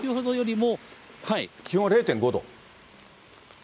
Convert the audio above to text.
気温は０．５度？